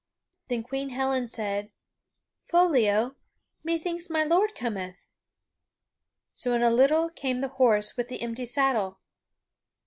Then Queen Helen said: "Foliot, methinks my lord cometh." So in a little came the horse with the empty saddle.